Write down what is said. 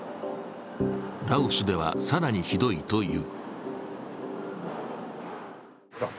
羅臼では更にひどいという。